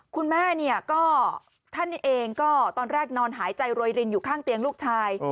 คุณแม่เนี่ยก็ท่านเองก็ตอนแรกนอนหายใจโรยรินอยู่ข้างเตียงลูกชาย